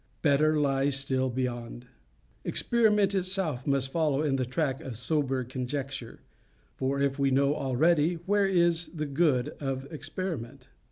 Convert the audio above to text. Better lies still beyond. Experiment itself must follow in the track of sober conjecture; for if we know already, where is the good of experiment?